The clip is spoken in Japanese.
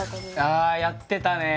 ああやってたね。